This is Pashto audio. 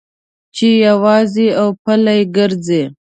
چې یوازې او پلي ګرځې.